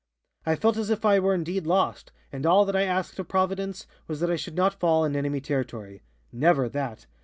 "I felt as if I were indeed lost, and all that I asked of Providence was that I should not fall in enemy territory. Never that!